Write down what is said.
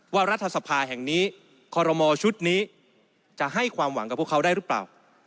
รัฐสภาแห่งนี้คอรมอชุดนี้จะให้ความหวังกับพวกเขาได้หรือเปล่า